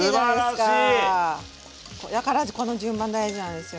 これは必ずこの順番大事なんですよ。